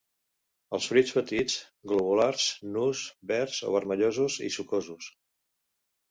Els fruits petits, globulars, nus, verds o vermellosos i sucosos.